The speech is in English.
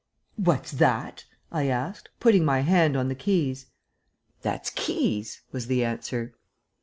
"What's that?" I asked, putting my hand on the keys. "That's keys," was the answer.